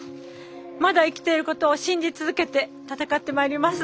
まだ生きてることを信じ続けて闘ってまいります。